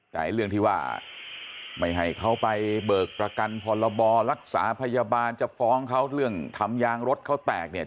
แต่เรื่องที่ว่าไม่ให้เขาไปเบิกประกันพรบรักษาพยาบาลจะฟ้องเขาเรื่องทำยางรถเขาแตกเนี่ย